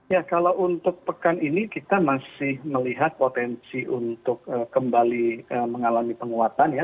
ya kalau untuk pekan ini kita masih melihat potensi untuk kembali mengalami penguatan ya